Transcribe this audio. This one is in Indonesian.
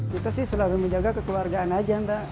kita sih selalu menjaga kekeluargaan aja mbak